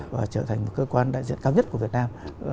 và trở thành một cơ quan đại diện cao nhất của việt nam